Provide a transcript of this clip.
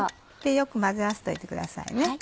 よく混ぜ合わせておいてください。